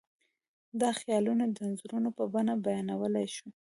دا خیالونه د انځورونو په بڼه بیانولی شو.